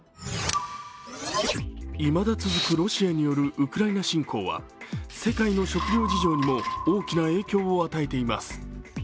いまだ続くロシアによるウクライナ侵攻は世界の食糧事情にも大きな影響を与えています。